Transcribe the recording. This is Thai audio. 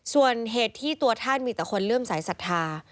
ส่วนเหตุที่ตัวท่านมีแต่คนเริ่มสายศรัทธา